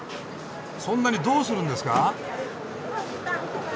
そんなにどうするんですか？